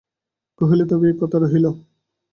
কহিল, তবে এই কথা রহিল।